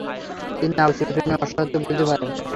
তিনি আবু সুফিয়ানের অসহায়ত্ব বুঝতে পারেন।